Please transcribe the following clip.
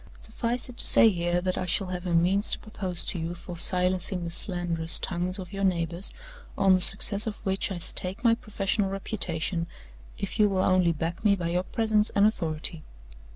Suffice it to say here that I shall have a means to propose to you for silencing the slanderous tongues of your neighbors, on the success of which I stake my professional reputation, if you will only back me by your presence and authority.